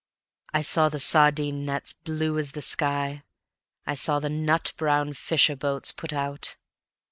I saw the sardine nets blue as the sky, I saw the nut brown fisher boats put out.)